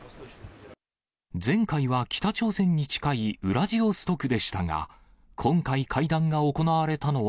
前回は北朝鮮に近いウラジオストクでしたが、今回、会談が行われたのは、